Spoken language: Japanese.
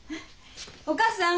お義母さん。